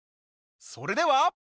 それでは。